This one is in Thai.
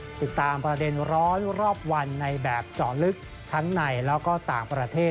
ติดตามประเด็นร้อนรอบวันในแบบเจาะลึกทั้งในแล้วก็ต่างประเทศ